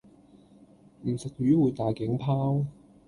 唔食魚會大頸泡